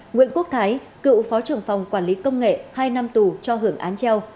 nguyễn quốc thái cựu phó trưởng phòng quản lý công nghệ hai năm tù cho hưởng án treo